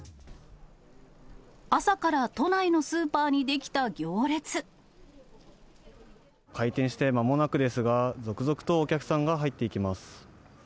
朝から都内のスーパーに出来開店して間もなくですが、続々とお客さんが入っていきます。